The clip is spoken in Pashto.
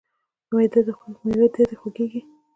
معده د خوږیږي؟